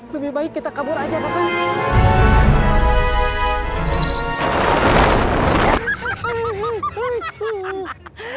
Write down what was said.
lebih baik kita kabur saja kakak